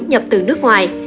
nhập từ nước ngoài